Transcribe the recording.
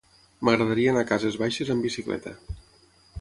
M'agradaria anar a Cases Baixes amb bicicleta.